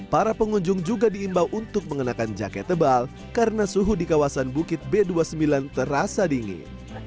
para pengunjung juga diimbau untuk mengenakan jaket tebal karena suhu di kawasan bukit b dua puluh sembilan terasa dingin